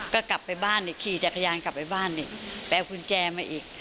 ก็กลับไปบ้านอีกขี่จักรยานกลับไปบ้านอีกไปเอากุญแจมาอีก